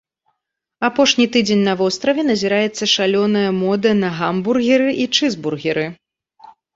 Апошні тыдзень на востраве назіраецца шалёная мода на гамбургеры і чызбургеры.